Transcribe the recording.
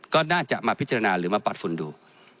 ก็น่าจะมาพิจารณาหรือมาปัดฝุ่นดู